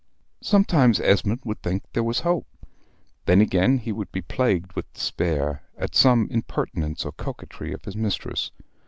Sometimes Esmond would think there was hope. Then again he would be plagued with despair, at some impertinence or coquetry of his mistress.